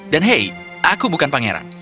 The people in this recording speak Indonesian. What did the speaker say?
dan hei aku bukan pangeran